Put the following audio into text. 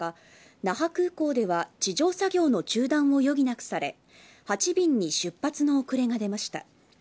那覇空港では地上作業の中断を余儀なくされ８便に出発の遅れが出ました。